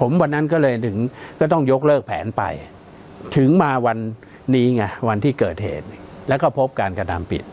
ผมวันนั้นก็เลยถึงก็ต้องยกเลิกแผนไปถึงมาวันนี้ไงวันที่เกิดเหตุแล้วก็พบการกระทำผิด